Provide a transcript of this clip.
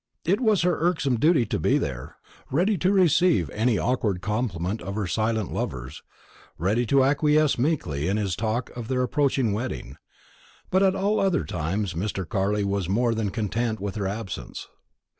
It was her irksome duty to be there, ready to receive any awkward compliment of her silent lover's, ready to acquiesce meekly in his talk of their approaching wedding. But at all other times Mr. Carley was more than content with her absence.